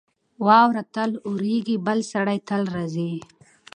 واوره تل اورېږي. بل سړی تل راځي.